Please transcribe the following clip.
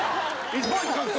１ポイント獲得。